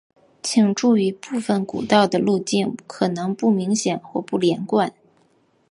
请注意部份古道的路径可能不明显或不连贯。